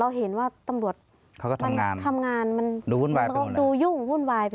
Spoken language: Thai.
เราเห็นว่าตำรวจทำงานมันดูยุ่งหุ้นวาย